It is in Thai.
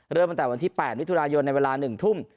เริ่มตั้งแต่วันที่๘มิถุนายนในเวลา๑ทุ่ม